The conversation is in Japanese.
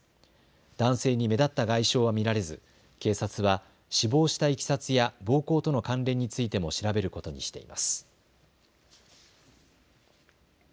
男性に目立った外傷は見られず警察は死亡したいきさつや暴行との関連についても調べることにしています。